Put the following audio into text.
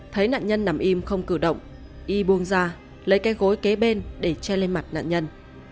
thấy nạn nhân nằm im không cử động y buông ra lấy cây gối kế bên để che lên mặt nạn nhân